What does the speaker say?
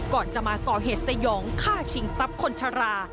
ก่อนจะมาก่อเหตุสยองฆ่าชิงทรัพย์คนชรา